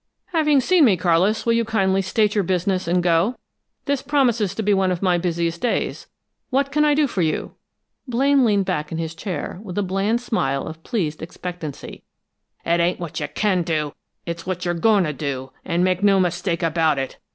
"Having seen me, Carlis, will you kindly state your business and go? This promises to be one of my busiest days. What can I do for you?" Blaine leaned back in his chair, with a bland smile of pleased expectancy. "It ain't what you can do; it's what you're goin' to do, and no mistake about it!"